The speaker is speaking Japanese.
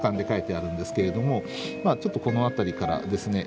ちょっとこの辺りからですね。